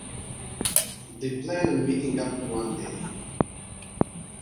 They plan on meeting up one day.